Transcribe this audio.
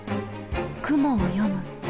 雲を読む。